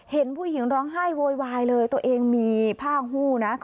เห็นผู้หญิงร้องไห้โวยวายเลยตัวเองมีผ้าหู้นะ